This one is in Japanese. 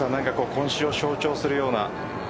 今週を象徴するような。